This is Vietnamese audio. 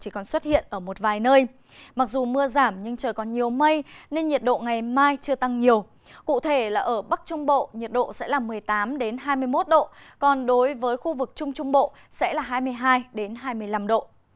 cụ thể là ở bắc trung bộ nhiệt độ sẽ là một mươi tám hai mươi một độ còn đối với khu vực trung trung bộ sẽ là hai mươi hai hai mươi năm độ